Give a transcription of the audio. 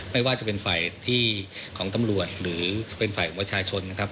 ไม่ว่าจะเป็นฝ่ายที่ของตำรวจหรือเป็นฝ่ายของประชาชนนะครับ